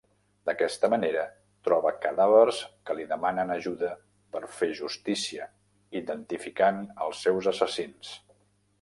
D'aquesta manera troba cadàvers que li demanen ajuda per fer justícia identificant els seus assassins.